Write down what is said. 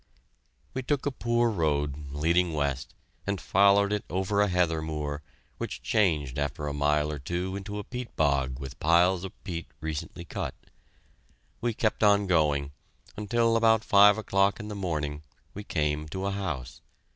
We took a poor road, leading west, and followed it over a heather moor, which changed after a mile or two into a peat bog with piles of peat recently cut. We kept on going, until about five o'clock in the morning we came to a house.